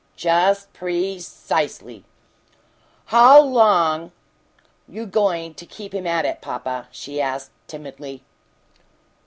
"Just pre CISELY!" "How how long you goin' to keep him at it, papa?" she asked, timidly.